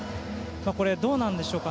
これ、どうなんでしょうか？